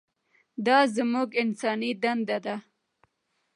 دا زموږ انساني دنده ده.